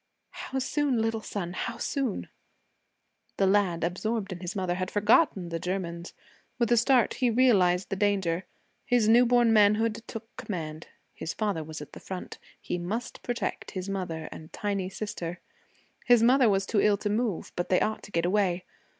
'How soon, little son, how soon?' The lad, absorbed in his mother, had forgotten the Germans. With a start, he realized the danger. His new born manhood took command. His father was at the front. He must protect his mother and tiny sister. His mother was too ill to move, but they ought to get away.